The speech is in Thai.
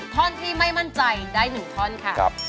ท่อนที่ไม่มั่นใจได้๑ท่อนค่ะ